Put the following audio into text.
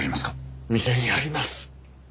店にあります。